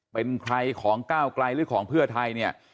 เป็นใครของก้าวไกลหรือของเพื่อไทยเนี่ย